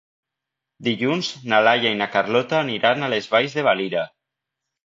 Dilluns na Laia i na Carlota aniran a les Valls de Valira.